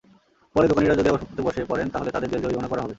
পরে দোকানিরা যদি আবার ফুটপাতে বসে পড়েন, তাহলে তাঁদের জেল-জরিমানা করা হবে।